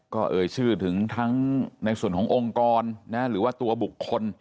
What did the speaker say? ก็เอ่ยชื่อถึงทั้งในส่วนขององค์กรหรือว่าตัวบุคคล